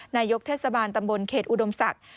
นายกเทศบาลตำบลเขตอุดมศักดิ์